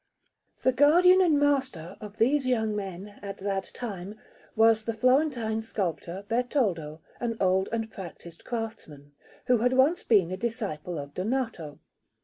The guardian and master of these young men, at that time, was the Florentine sculptor Bertoldo, an old and practised craftsman, who had once been a disciple of Donato.